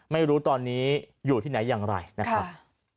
ไม่รู้ตอนนี้อยู่ที่ไหนอย่างไรนะครับ